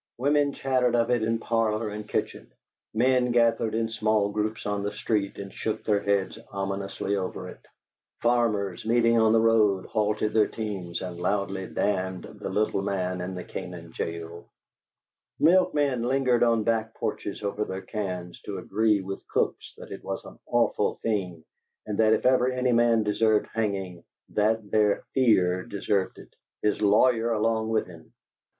Women chattered of it in parlor and kitchen; men gathered in small groups on the street and shook their heads ominously over it; farmers, meeting on the road, halted their teams and loudly damned the little man in the Canaan jail; milkmen lingered on back porches over their cans to agree with cooks that it was an awful thing, and that if ever any man deserved hanging, that there Fear deserved it his lawyer along with him!